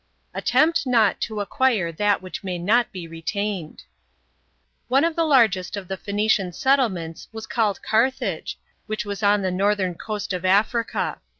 " Attempt not to acquire that which may not be retained." ONE of the largest of the Phoenician settlements was called Carthage, which was on the northern coast of Afrita.